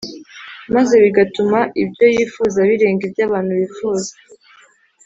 maze bigatuma ibyo yifuza birenga ibyo abantu bifuza